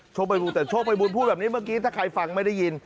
แต่โชคภัยบูรณ์พูดแบบนี้เมื่อกี้ถ้าใครฟังไม่ได้ยิน